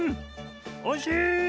おいしい！